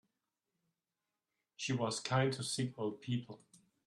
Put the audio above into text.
She was kind to sick old people.